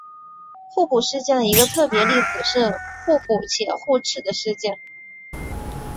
互补事件的一个特别例子是互补且互斥的事件。